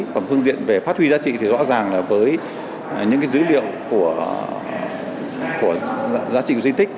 còn phương diện về phát huy giá trị thì rõ ràng là với những dữ liệu của giá trị di tích